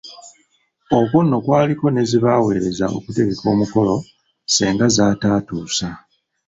Okwo nno kwaliko ne ze baaweereza okutegeka omukolo senga z'ataatuusa.